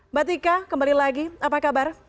mbak tika kembali lagi apa kabar